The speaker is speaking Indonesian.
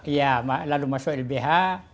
iya lalu masuk lbh